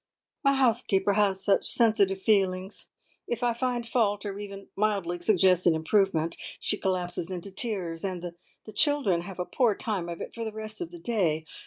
"My housekeeper has such sensitive feelings. If I find fault, or even mildly suggest an improvement, she collapses into tears, and the children have a poor time of it for the rest of the day.